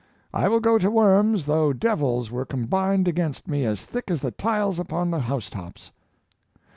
" I will go to Worms though devils were combined against me as thick as the tiles upon the housetops."